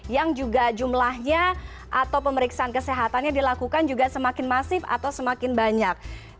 yang juga jumlahnya atau pemeriksaan kesehatannya dilakukan juga semakin masif atau semakin banyak